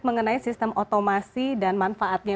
mengenai sistem otomasi dan manfaatnya